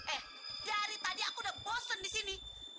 eh dari tadi aku sudah bosan di sini